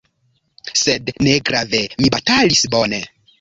Sed negrave: mi batalis bone.